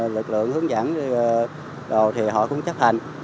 lực lượng hướng dẫn đồ thì họ cũng chấp hành